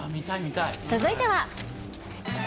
続いては。